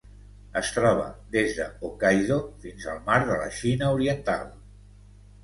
Es troba des de Hokkaido fins al Mar de la Xina Oriental.